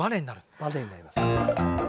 バネになります。